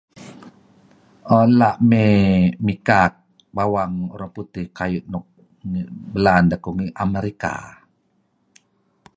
Oh ela' may mikak bawang Orang Putih kayu' belaan deh kuh America.